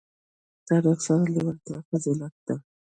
تاریخ سره لېوالتیا فضیلت ده.